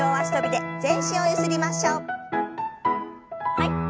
はい。